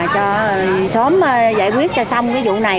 tí do tại sao mình đến đây